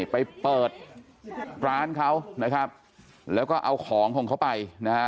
ไปเปิดร้านเขาแล้วก็เอาของของเขาไป